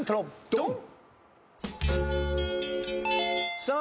ドン！